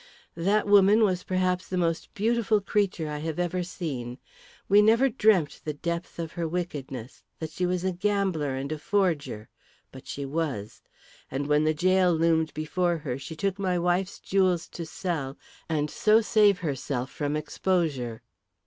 "That woman was perhaps the most beautiful creature I have ever seen. We never dreamt the depth of her wickedness, that she was a gambler and a forger. But she was. And when the gaol loomed before her she took my wife's jewels to sell and so save herself from exposure.